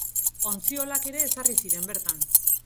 Ontziolak ere ezarri ziren bertan.